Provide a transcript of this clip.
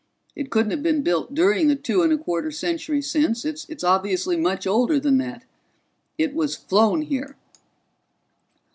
It couldn't have been built during the two and a quarter centuries since; it's obviously much older than that. It was flown here."